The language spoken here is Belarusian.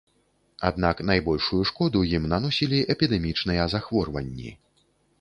Аднак найбольшую шкоду ім наносілі эпідэмічныя захворванні.